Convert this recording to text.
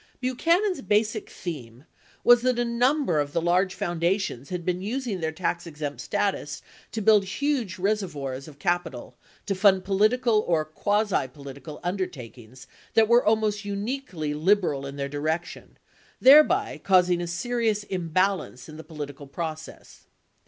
69 Buchanan's basic theme was that a number of the large foundations had been using their tax exempt status to build huge reservoirs of capital to fund political or quasi political undertakings that were almost uniquely liberal in their direction, thereby causing a serious imbalance in the political process.